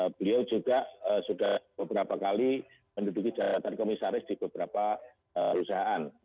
beliau juga sudah beberapa kali menduduki jabatan komisaris di beberapa perusahaan